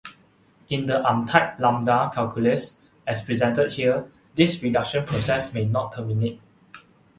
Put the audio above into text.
In the untyped lambda calculus, as presented here, this reduction process may not terminate.